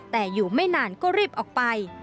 แต่อยู่ไม่นานก็รีบออกไป